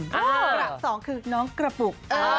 กระสองคือน้องกระปุก